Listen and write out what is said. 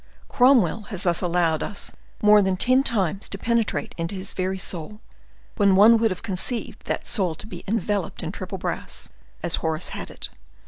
Cromwell has thus allowed us more than ten times to penetrate into his very soul, when one would have conceived that soul to be enveloped in triple brass, as Horace had it.